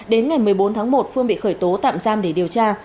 đến ngày một mươi bốn tháng một phương bị khởi tố tạm giam để điều tra